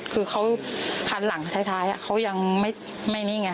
คือเขาคันหลังท้ายเขายังไม่นี่ไง